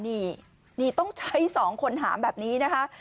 นี่นี่ต้องใช้๒คนหามแบบนี้นะคะ